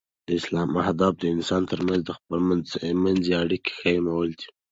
د اسلام هدف د انسانانو تر منځ د خپل منځي اړیکو قایمول دي.